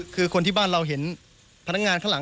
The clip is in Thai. คือคนที่บ้านเราเห็นพนักงานข้างหลัง